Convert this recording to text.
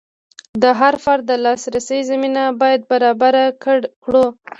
د هر فرد د لاسرسي زمینه باید برابره کړو.